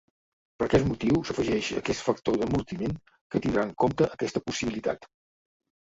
Per aquest motiu s'afegeix aquest factor d'amortiment, que tindrà en compte aquesta possibilitat.